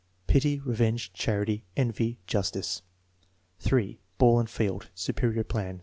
Pity; revenge; charity; envy; justice. 3. Ball and field. (Superior plan.)